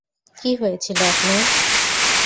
কী হয়েছিল আপনার?